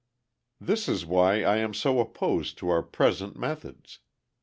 This is why I am so opposed to our present methods.